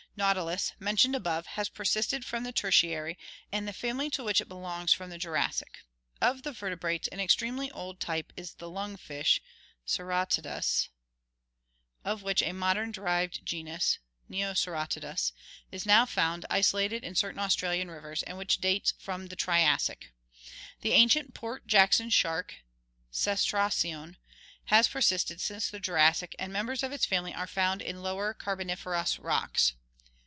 Nautilus, mentioned above, has persisted from the Tertiary, and the family to which it belongs from the Jurassic. Of the vertebrates, an extremely old type is the lung fish Ceratodus, of which a modern derived genus, Neaceratodus (Fig. 139), is now found isolated in certain Australian rivers, and which dates from the Triassic. The ancient Port Jack son shark, Cestracion, has persisted since the Jurassic and mem bers of its family are found in Lower Carboniferous rocks.